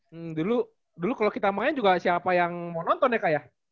hmm dulu kalau kita main juga siapa yang mau nonton ya kak ya